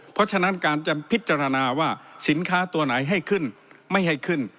เพราะฉะนั้นการจะพิจารณาว่าสินค้าตัวไหนให้ขึ้นไม่ให้ขึ้น